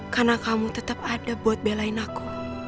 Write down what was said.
karena kamu tetep ada buat belain aku